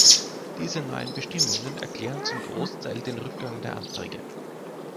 Diese neuen Bestimmungen erklären zum Großteil den Rückgang der Anträge.